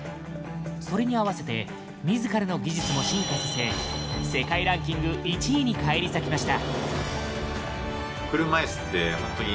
それに合わせて自らの技術も進化させ世界ランキング１位に返り咲きました！